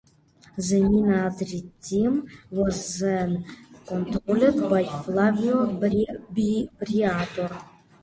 The Minardi team was then controlled by Flavio Briatore.